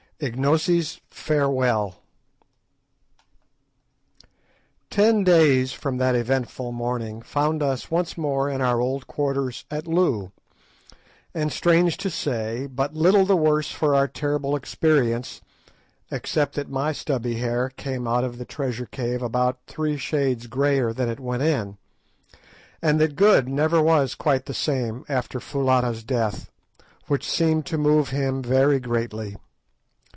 IGNOSI'S FAREWELL Ten days from that eventful morning found us once more in our old quarters at Loo; and, strange to say, but little the worse for our terrible experience, except that my stubbly hair came out of the treasure cave about three shades greyer than it went in, and that Good never was quite the same after Foulata's death, which seemed to move him very greatly.